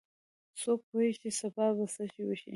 څوک پوهیږي چې سبا به څه وشي